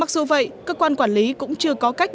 dù vậy cơ quan quản lý cũng chưa có cách